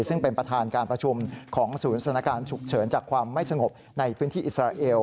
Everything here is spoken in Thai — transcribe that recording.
ซึ่งเป็นประธานการประชุมของศูนย์สถานการณ์ฉุกเฉินจากความไม่สงบในพื้นที่อิสราเอล